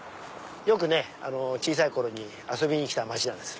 よくね小さい頃に遊びに来た街なんです。